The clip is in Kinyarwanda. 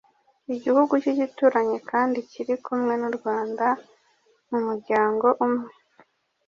igihugu cy’igituranyi kandi kiri kumwe n’u Rwanda mu muryango umwe